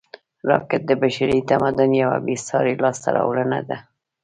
راکټ د بشري تمدن یوه بېساري لاسته راوړنه ده